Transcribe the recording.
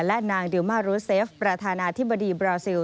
และนางดิวมารูเซฟประธานาธิบดีบราซิล